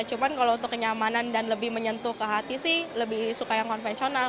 cuman kalau untuk kenyamanan dan lebih menyentuh ke hati sih lebih suka yang konvensional